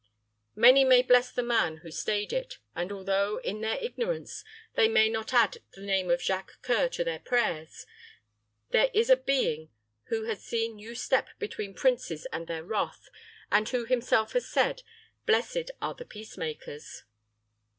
Many may bless the man who stayed it; and although, in their ignorance, they may not add the name of Jacques C[oe]ur to their prayers, there is a Being who has seen you step between princes and their wrath, and who himself has said, 'Blessed are the peacemakers.'"